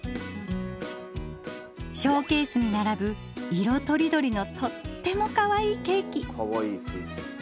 ショーケースに並ぶ色とりどりのとってもかわいいケーキ。